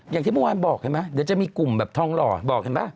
อย่างที่เมื่อวานบอกเดี๋ยวจะมีกลุ่มทองหล่อบอก